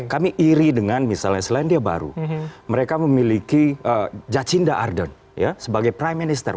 kami iri dengan misalnya selain dia baru mereka memiliki jacinda arden sebagai prime minister